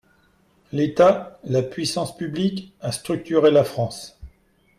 L’État – la puissance publique – a structuré la France.